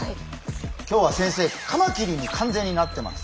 今日は先生カマキリに完全になってます。